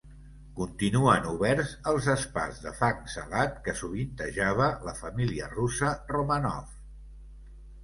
Continuen oberts els spas de fang salat que sovintejava la família russa Romanov.